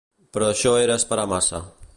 Però això era esperar massa.